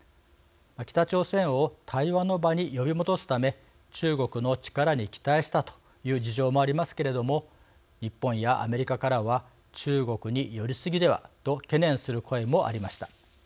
北朝鮮を対話の場に呼び戻すため中国の力に期待したという事情もありますけれども日本やアメリカからは中国に寄り過ぎではと懸念する声もありました。